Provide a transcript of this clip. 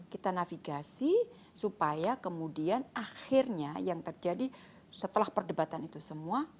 kita navigasi supaya kemudian akhirnya yang terjadi setelah perdebatan itu semua